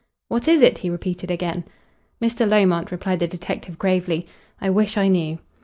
"What is it?" he repeated again. "Mr. Lomont," replied the detective gravely, "I wish I knew.